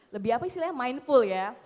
lebih apa istilahnya mindful ya